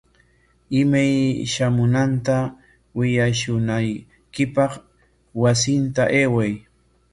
Imay shamunanta willashunaykipaq wasinta ayway.